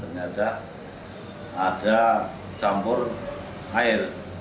ternyata ada campur air